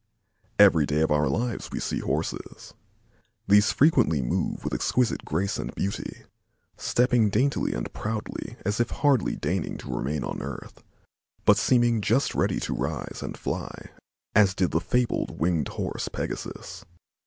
Every day of our lives we see Horses. These frequently move with exquisite grace and beauty, stepping daintily and proudly as if hardly deigning to remain on earth, but seeming just ready to rise and fly as did the fabled winged horse Pegasus.